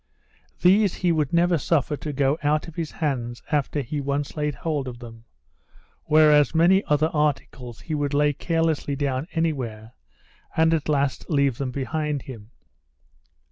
These he never would suffer to go out of his hands after he once laid hold of them; whereas many other articles he would lay carelessly down any where, and at last leave them behind him.